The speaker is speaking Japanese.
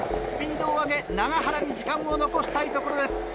スピードを上げ永原に時間を残したいところです。